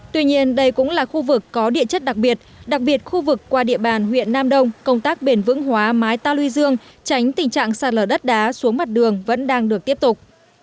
tuy nhiên đây cũng là khu vực có địa chất đặc biệt đặc biệt khu vực qua địa bàn huyện nam đông công tác bền vững hóa mái ta luy dương tránh tình trạng sạt lở đất đá xuống mặt đường vẫn đang được tiếp tục